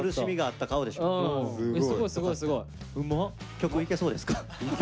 曲いけそうですか？